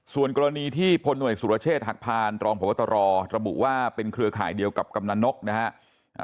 ส่วนกรณีที่พลหน่วยสุรเชษฐ์หักพานรองพบตรระบุว่าเป็นเครือข่ายเดียวกับกำนันนกนะฮะ